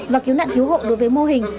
và cứu nạn cứu hộ đối với mô hình